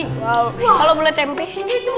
kalau boleh tempuh